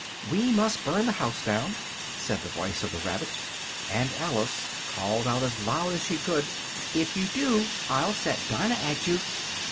"We must burn the house down!" said the voice of the rabbit, and Alice called out as loud as she could "if you do, I'll set Dinah at you!"